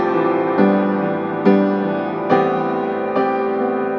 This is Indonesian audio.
aku gak dengerin kata kata kamu mas